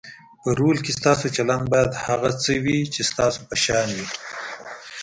په رول کې ستاسو چلند باید هغه څه وي چې ستاسو په شان وي.